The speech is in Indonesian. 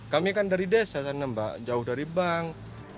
kami kan dari desa sana mbak jauh dari bank